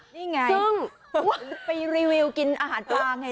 นี่ไงไปรีวิวกินอาหารปลาไง